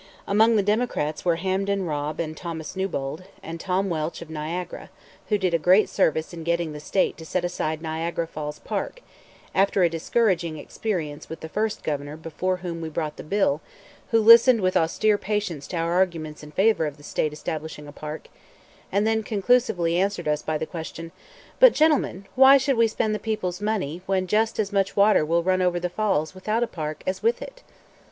Among the Democrats were Hamden Robb and Thomas Newbold, and Tom Welch of Niagara, who did a great service in getting the State to set aside Niagara Falls Park after a discouraging experience with the first Governor before whom we brought the bill, who listened with austere patience to our arguments in favor of the State establishing a park, and then conclusively answered us by the question, "But, gentlemen, why should we spend the people's money when just as much water will run over the Falls without a park as with it?"